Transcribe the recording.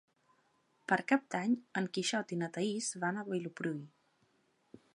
Per Cap d'Any en Quixot i na Thaís van a Vilopriu.